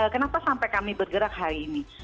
kenapa sampai kami bergerak hari ini